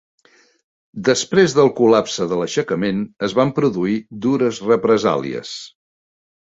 Després del col·lapse de l'aixecament, es van produir dures represàlies.